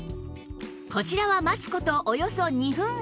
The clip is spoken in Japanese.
こちらは待つ事およそ２分半